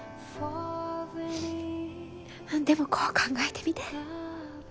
でもこう考えてみて。